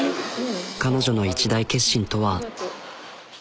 彼女の一大決心とは。